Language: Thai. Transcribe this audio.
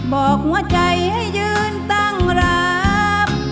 บอกหัวใจให้ยืนตั้งรับ